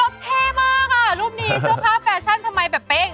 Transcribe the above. เขาเท่มากอ่ะรูปนี้เสื้อผ้าแฟชั่นทำไมแบบเป้ง